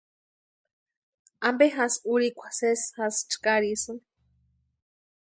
¿Ampe jasï urhikwa sési jasï chkarisïni?